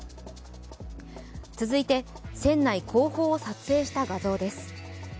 続いて、船内後方を撮影した画像です。